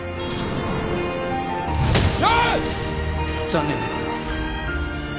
残念ですが。